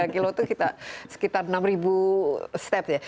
tiga kilo itu sekitar enam ribu langkah ya